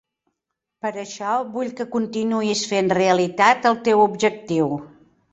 Per això vull que continuïs fent realitat el teu objectiu.